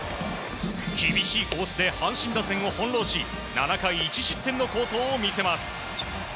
厳しいコースで阪神打線をほんろうし７回１失点の好投を見せます。